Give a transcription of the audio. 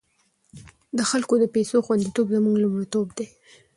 د خلکو د پيسو خوندیتوب زموږ لومړیتوب دی۔